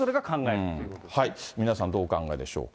皆さん、どうお考えでしょうか。